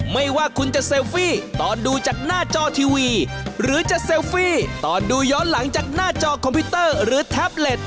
ไม่ว่าคุณจะเซลฟี่ตอนดูจากหน้าจอทีวีหรือจะเซลฟี่ตอนดูย้อนหลังจากหน้าจอคอมพิวเตอร์หรือแท็บเล็ต